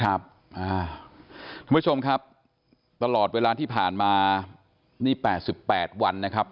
คุณผู้ชมครับตลอดเวลาที่ผ่านมานี่๘๘วันนะครับ